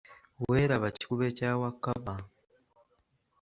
Weeraba kikube kya Wakkapa.